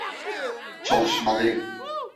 Çalışmalıyım.